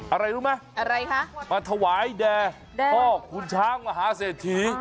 อะไรรู้ไหมอะไรคะมาถวายแด่พ่อคุณช้างมหาเศรษฐี